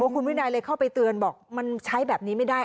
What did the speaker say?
คุณวินัยเลยเข้าไปเตือนบอกมันใช้แบบนี้ไม่ได้